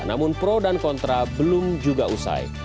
namun pro dan kontra belum juga usai